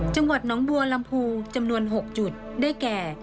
จังหวัดน้องบัวลำพูจำนวน๖จุดได้แก่